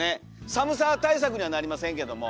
寒さ対策にはなりませんけども。